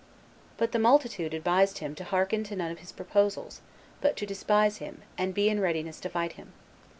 But the multitude advised him to hearken to none of his proposals, but to despise him, and be in readiness to fight him.